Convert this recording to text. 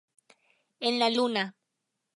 En la luna